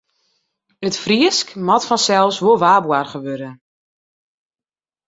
It Frysk moat fansels wol waarboarge wurde.